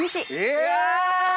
うわ！